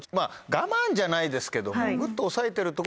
我慢じゃないですけども。